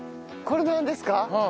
これなんですか？